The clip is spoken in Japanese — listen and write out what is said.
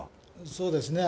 そうですね。